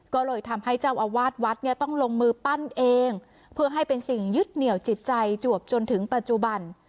ก็เลยทำให้เจ้าอาวาสวัดเนี่ยต้องลงมือปั้นเองเพื่อให้เป็นสิ่งยึดเหนียวจิตใจจวบจนถึงปัจจุบัน